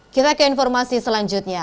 kita ke informasi selanjutnya